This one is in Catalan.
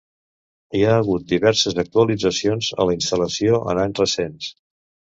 Hi ha hagut diverses actualitzacions a la instal·lació en anys recents.